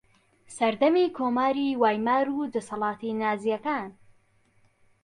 سەردەمی کۆماری وایمار و دەسەڵاتی نازییەکان